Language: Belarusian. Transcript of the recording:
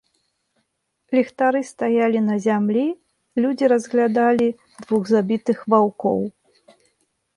Ліхтары стаялі на зямлі, людзі разглядалі двух забітых ваўкоў.